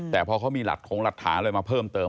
แต่พอเขามีหลัดของหลัดถาเลยมาเพิ่มเติม